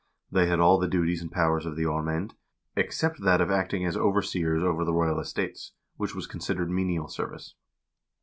They had all the duties and powers of the aarmcend, except that of acting as overseers over the royal estates, which was considered menial service.